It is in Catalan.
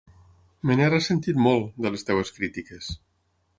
Me n'he ressentit molt, de les teves crítiques.